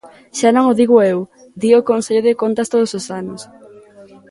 Xa non o digo eu, dío o Consello de Contas todos os anos.